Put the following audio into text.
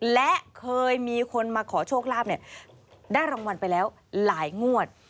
และเคยมีคนมาขอโชคลาภได้รางวัลไปแล้วหลายงวด